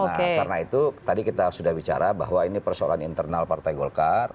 nah karena itu tadi kita sudah bicara bahwa ini persoalan internal partai golkar